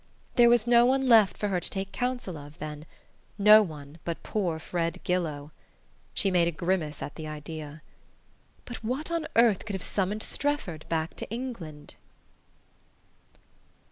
There was no one left for her to take counsel of, then no one but poor Fred Gillow! She made a grimace at the idea. But what on earth could have summoned Strefford back to England?